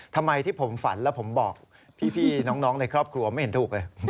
ทำไมที่ผมฝันแล้วผมบอกพี่น้องในครอบครัวไม่เห็นถูกเลย